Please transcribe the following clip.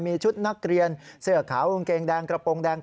มีชุดนักเรียนเสื้อขาวกางเกงแดงกระโปรงแดง